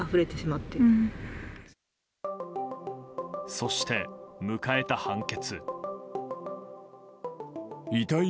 そして、迎えた判決。